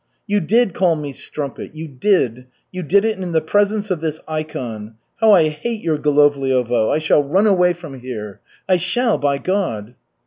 "You did call me strumpet! You did! You did it in the presence of this ikon. How I hate your Golovliovo! I shall run away from here. I shall, by God!"